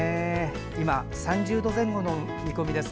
今、３０度前後の見込みです。